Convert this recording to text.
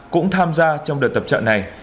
cũng tham gia trong đợt tập trận này